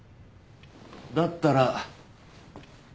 だったら。